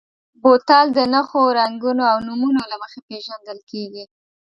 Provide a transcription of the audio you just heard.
بوتل د نښو، رنګونو او نومونو له مخې پېژندل کېږي.